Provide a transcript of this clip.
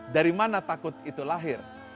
dari mana takut itu lahir